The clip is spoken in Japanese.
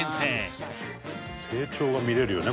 「成長が見れるよね